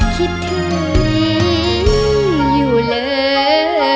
คิดถึงอยู่เลย